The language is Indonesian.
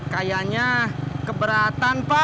kayaknya keberatan pak